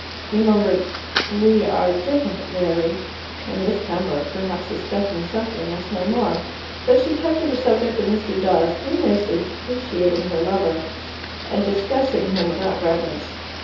He murmured, "We are different, very," and Miss Pembroke, perhaps suspecting something, asked no more. But she kept to the subject of Mr. Dawes, humorously depreciating her lover and discussing him without reverence.